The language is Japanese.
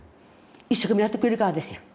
一生懸命やってくれるからですやん。